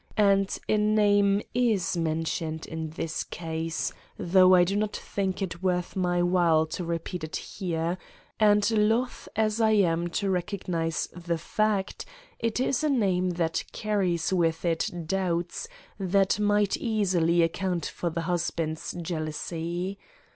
And a name is mentioned in this case, though I do not think it worth my while to repeat it here; and loth as I am to recognize the fact, it is a name that carries with it doubts that might easily account for the husband's jealousy.